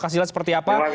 hasilnya seperti apa